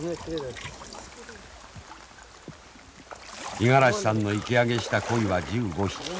五十嵐さんの池上げした鯉は１５匹。